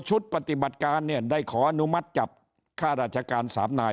ชุดปฏิบัติการเนี่ยได้ขออนุมัติจับค่าราชการ๓นาย